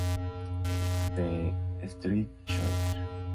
The Street Choir